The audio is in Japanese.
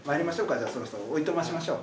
じゃあそろそろおいとましましょう。